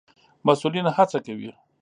مسئولين هڅه کوي